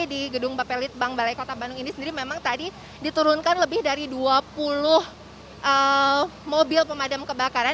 di gedung bapelitbang balai kota bandung ini sendiri memang tadi diturunkan lebih dari dua puluh mobil pemadam kebakaran